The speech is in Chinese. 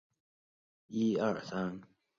游戏分为单人游戏模式和对战模式。